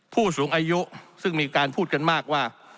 ผู้สูงอายุซึ่งมีการพูดกันมากว่า